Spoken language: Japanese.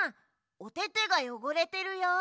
おててがよごれてるよ。